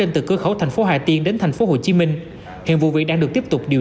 đưa xuất khẩu thành phố hà tiên đến thành phố hồ chí minh hiện vụ việc đang được tiếp tục điều